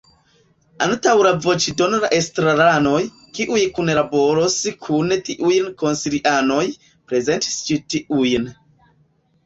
Antaŭ la voĉdono la estraranoj, kiuj kunlaboros kun tiuj konsilianoj, prezentis ĉi tiujn.